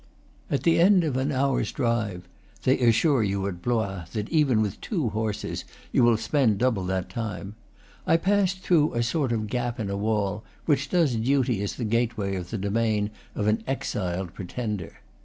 At the end of an hour's drive (they assure you at Blois that even with two horses you will spend double that time), I passed through a sort of gap in a wall, which does duty as the gateway of the domain of an exiled pretender.